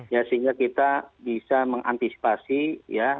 ya sehingga kita bisa mengantisipasi ya